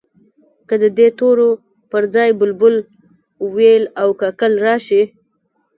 که د دې تورو پر ځای بلبل، وېل او کاکل راشي.